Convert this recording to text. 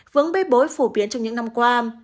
vướng bê bối phổ biến trong những năm qua